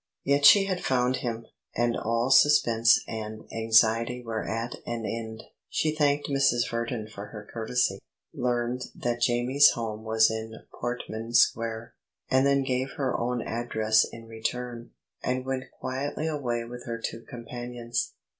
Yet she had found him, and all suspense and anxiety were at an end. She thanked Mrs. Verdon for her courtesy, learned that Jamie's home was in Portman Square, and then gave her own address in return, and went quietly away with her two companions.